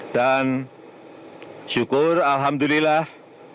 dan syukur alhamdulillah